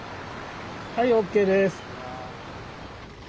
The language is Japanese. はいＯＫです。